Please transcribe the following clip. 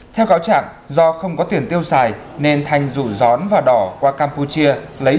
theo cáo trạng do không có tiền tiêu xài nên thanh rủ gión và đỏ qua campuchia lấy